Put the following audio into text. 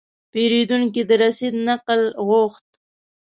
پیرودونکی د رسید نقل غوښت.